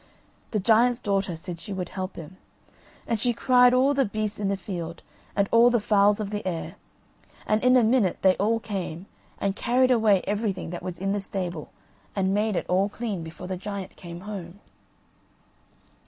The giant's daughter said she would help him, and she cried all the beasts in the field, and all the fowls of the air, and in a minute they all came, and carried away everything that was in the stable and made it all clean before the giant came home.